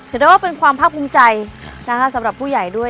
จะได้ว่าเป็นความภาคภูมิใจสำหรับผู้ใหญ่ด้วย